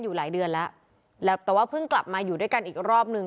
อยู่หลายเดือนแล้วแล้วแต่ว่าเพิ่งกลับมาอยู่ด้วยกันอีกรอบนึง